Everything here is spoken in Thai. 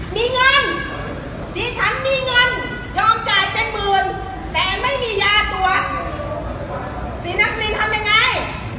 มีเงินดิฉันมีเงินยอมจ่ายเป็นหมื่นแต่ไม่มียาตรวจศรีนครินทำยังไง